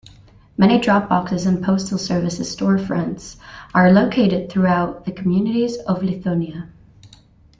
Many drop boxes and postal services storefronts are located throughout the communities of Lithonia.